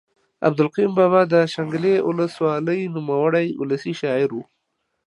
عبدالقیوم بابا د شانګلې اولس والۍ نوموړے اولسي شاعر ؤ